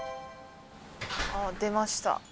あっ出ました。